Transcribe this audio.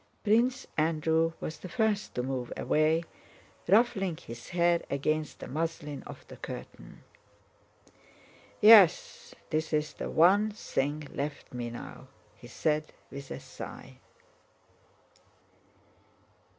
Prince Andrew was the first to move away, ruffling his hair against the muslin of the curtain. "Yes, this is the one thing left me now," he said with a sigh.